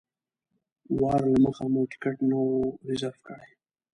وار له مخه مو ټکټ نه و ریزرف کړی.